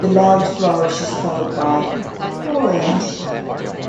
The loud flourish is followed by the choral entry.